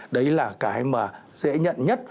đấy là cái mà dễ nhận nhất